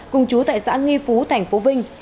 cùng chú tại xã nghi phú thành phố vinh